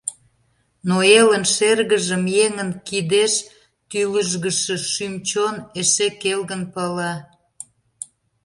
Но элын шергыжым Еҥын кидеш тӱлыжгышӧ Шӱм-чон эше келгын пала.